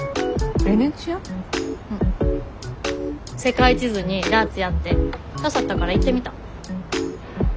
世界地図にダーツやって刺さったから行ってみた。